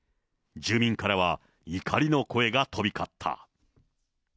住民からは、怒りの声が飛び交った。